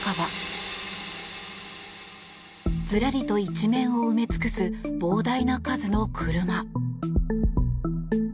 ずらりと一面を埋め尽くす膨大な数の車。